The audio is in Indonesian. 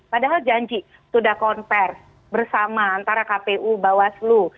padahal janji sudah konversi bersama antara kpu bawaslu